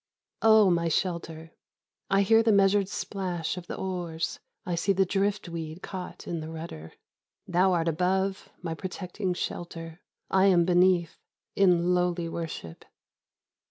Oh, my shelter! I hear the measured splash of the oars; I see the drift weed caught in the rudder. Thou art above, my protecting shelter; I am beneath, in lowly worship.